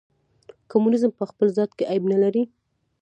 کمونیزم په خپل ذات کې عیب نه لري.